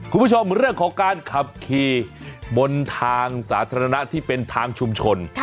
คุณผู้ชมเรื่องของการขับขี่บนทางสาธารณะที่เป็นทางชุมชน